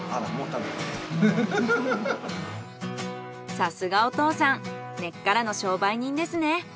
さすがお父さん根っからの商売人ですね。